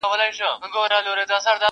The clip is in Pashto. بس کیسې دي د پنځه زره کلونو.